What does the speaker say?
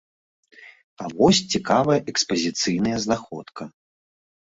А вось цікавая экспазіцыйная знаходка.